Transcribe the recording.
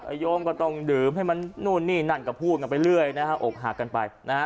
โยมก็ต้องดื่มให้มันนู่นนี่นั่นก็พูดกันไปเรื่อยนะฮะอกหักกันไปนะฮะ